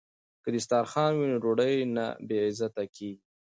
که دسترخوان وي نو ډوډۍ نه بې عزته کیږي.